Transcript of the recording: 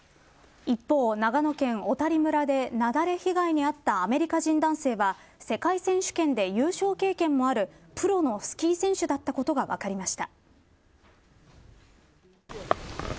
一方、長野県小谷村で雪崩被害に遭ったアメリカ人男性は世界選手権で優勝経験もあるプロのスキー選手だったことが分かりました。